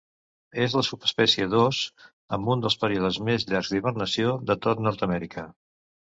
És la subespècie d'ós amb un dels períodes més llargs d'hibernació de tot Nord-amèrica.